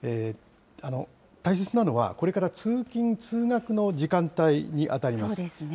大切なのは、これから通勤・通学の時間帯に当たります。